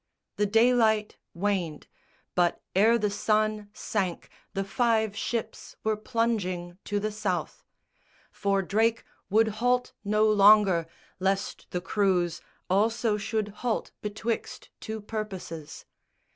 The daylight waned; but ere the sun Sank, the five ships were plunging to the South; For Drake would halt no longer, least the crows Also should halt betwixt two purposes.